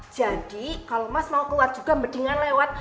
jadi kalau mas mau keluar juga mendingan lewat